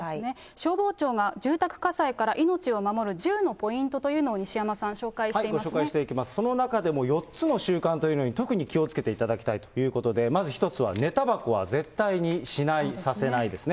消防庁が住宅火災から命を守る１０のポイントというのを、西ご紹介していきます、その中でも４つの習慣というのに特に気をつけていただきたいということで、まず１つは、寝たばこは絶対にしない、させないですね。